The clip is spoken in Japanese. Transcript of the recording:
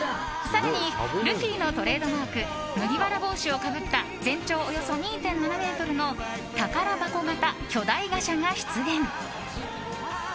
更に、ルフィのトレードマーク麦わら帽子をかぶった全長およそ２．７ｍの宝箱型巨大ガチャが出現。